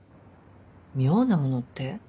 妙なものって？